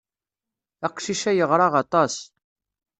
Aqcic-a yeɣra aṭas.